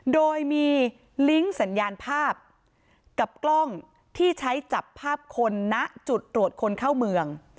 โดยมีลิงก์สัญญาณภาพกับกล้องที่ใช้จับภาพคนณจุดตรวจคนเข้าเมือง